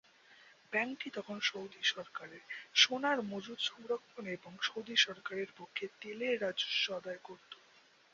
ব্যাংকটি তখন সৌদি সরকারের সোনার মজুদ সংরক্ষণ এবং সৌদি সরকারের পক্ষে তেলের রাজস্ব আদায় করতো।